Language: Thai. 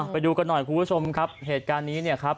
ไปดูกันหน่อยคุณผู้ชมครับเหตุการณ์นี้เนี่ยครับ